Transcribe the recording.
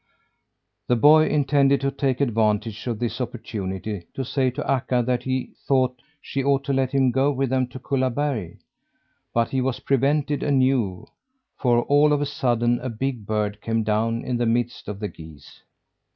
The boy intended to take advantage of this opportunity to say to Akka that he thought she ought to let him go with them to Kullaberg, but he was prevented anew, for all of a sudden a big bird came down in the midst of the geese.